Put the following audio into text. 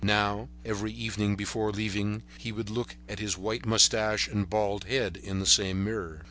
Now, every evening before leaving, he would look at his white mustache and bald head in the same mirror.